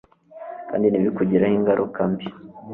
kandi ntibikugireho ingaruka mbi